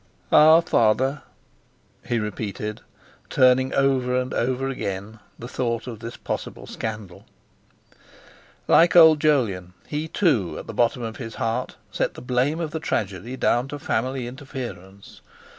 "Our Father—," he repeated, turning over and over again the thought of this possible scandal. Like old Jolyon, he, too, at the bottom of his heart set the blame of the tragedy down to family interference.